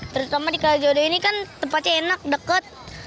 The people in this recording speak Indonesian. terutama di kalijodo ini kan tempatnya enak dekat